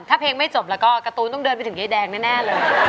ถ้าเพลงไม่จบแล้วก็การ์ตูนต้องเดินไปถึงยายแดงแน่เลย